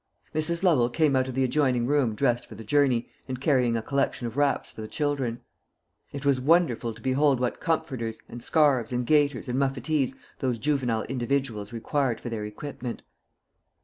Mrs. Lovel came out of the adjoining room dressed for the journey, and carrying a collection of wraps for the children. It was wonderful to behold what comforters, and scarves, and gaiters, and muffetees those juvenile individuals required for their equipment.